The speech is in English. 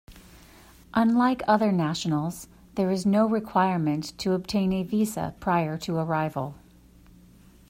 Unlike other nationals, there is no requirement to obtain a visa prior to arrival.